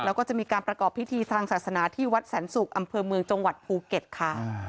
แล้วก็จะมีการประกอบพิธีทางศาสนาที่วัดแสนศุกร์อำเภอเมืองจังหวัดภูเก็ตค่ะ